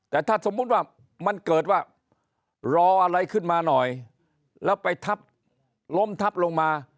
แต่ถ้าสมมุติว่ามันเกิดว่ารออะไรขึ้นมาหน่อยแล้วไปทับล้มทับลงมา